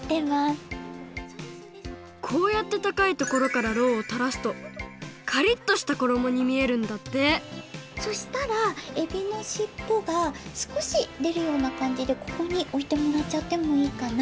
こうやってたかいところからろうをたらすとカリッとしたころもにみえるんだってそしたらえびのしっぽがすこしでるようなかんじでここにおいてもらっちゃってもいいかな。